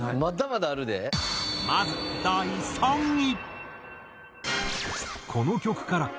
まず第３位。